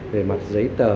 về mặt giấy tờ